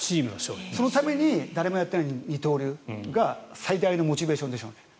そのために誰もやっていない二刀流が最大のモチベーションでしょうね。